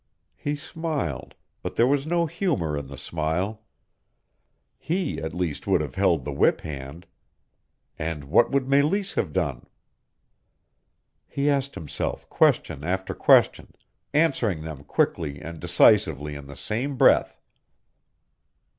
He smiled, but there was no humor in the smile. He at least would have held the whip hand. And what would Meleese have done? He asked himself question after question, answering them quickly and decisively in the same breath.